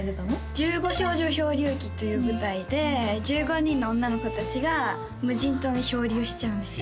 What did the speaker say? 「十五少女漂流記」という舞台で１５人の女の子達が無人島に漂流しちゃうんですよ